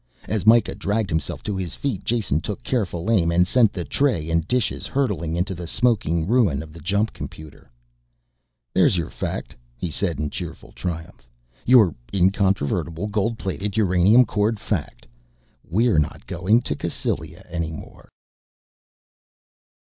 As Mikah dragged himself to his feet, Jason took careful aim and sent the tray and dishes hurtling into the smoking ruin of the jump computer. "There's your fact," he said in cheerful triumph. "Your incontrovertible, gold plated, uranium cored fact. "We're not going to Cassylia any more!"